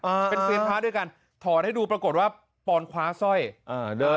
เป็นเซียนพระด้วยกันถอดให้ดูปรากฏว่าปอนคว้าสร้อยอ่าเดิน